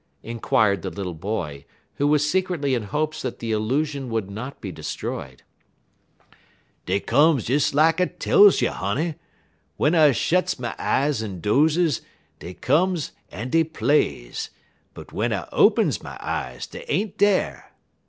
inquired the little boy, who was secretly in hopes that the illusion would not be destroyed. "Dey comes des lak I tell you, honey. W'en I shets my eyes en dozes, dey comes en dey plays, but w'en I opens my eyes dey ain't dar.